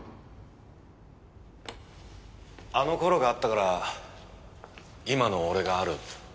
あの頃があったから今の俺がある。